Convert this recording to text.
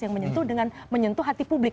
yang menyentuh dengan menyentuh hati publik